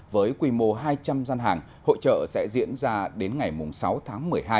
với quy mô hai trăm linh gian hàng hội trợ sẽ diễn ra đến ngày sáu tháng một mươi hai